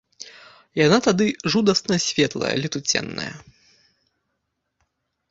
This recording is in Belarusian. Яна тады жудасна светлая, летуценная.